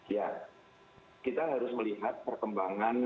ya kita harus melihat perkembangan